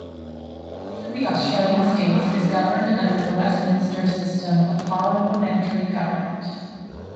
Each of the Australian states is governed under the Westminster system of parliamentary government.